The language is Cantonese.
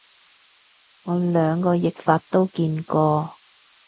我兩個譯法都見過